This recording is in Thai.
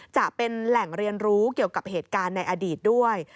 จะเป็นแหล่งเรียนรู้เกี่ยวกับเหตุการณ์ในอดีตด้วย